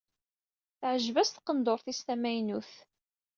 Teɛjeb-as tqendurt-is tamaynut.